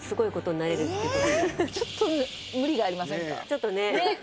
ちょっとね。